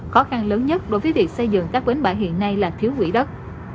khó khăn lớn nhất đối với việc xây dựng các bến bãi hiện nay là thiếu quỹ đất